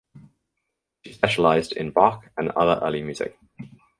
She specialised in Bach and other early music.